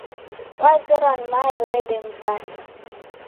Wazerwa ni mae urede mzata.